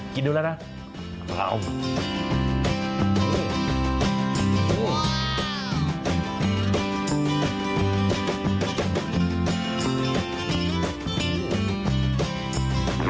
กินดูแล้วนะ